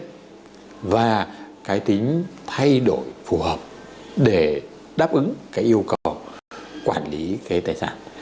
đó là cái tính thay đổi phù hợp để đáp ứng cái yêu cầu quản lý cái tài sản